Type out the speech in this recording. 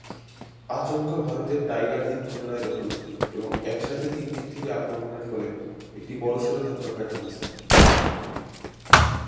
আচমকা ভারতের টাইগার হিল পুনরায় দখল এবং একসাথে তিন দিক থেকে আক্রমণের ফলে একটি বড়সড় ধাক্কা খায় পাকিস্তান।